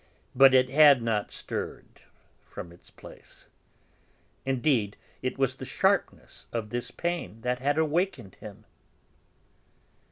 But it had not stirred from its place. Indeed, it was the sharpness of this pain that had awakened him.